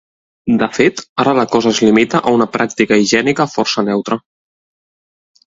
De fet, ara la cosa es limita a una pràctica higiènica força neutra.